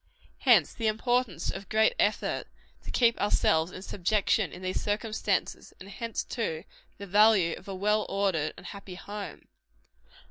Hence the importance of great effort to keep ourselves in subjection in these circumstances; and hence, too, the value of a well ordered and happy home.